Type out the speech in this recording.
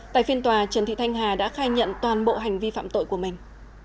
tại phiên tòa trần thị thanh hà đã khai nhận toàn bộ hành vi phạm tội của mình